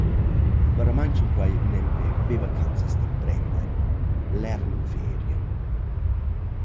Vairamaing sun quai nempe be vacanzas d'imprender - Lernferien.